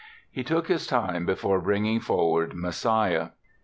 He took his time before bringing forward "Messiah".